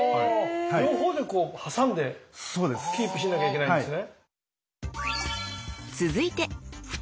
両方でこう挟んでキープしなきゃいけないんですね。